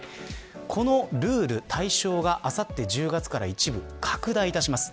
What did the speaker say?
このルール、対象があさって１０月から一部拡大いたします。